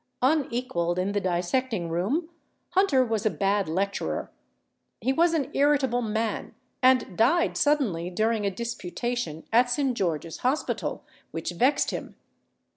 Unequalled in the dissecting room, Hunter was a bad lecturer. He was an irritable man, and died suddenly during a disputation at St. George's Hospital which vexed him.